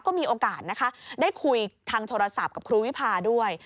ก็มีโอกาสนะคะได้คุยทางโทรศัพท์กับครูวิพาด้วย